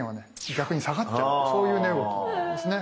逆に下がっちゃうってそういう値動きなんですね。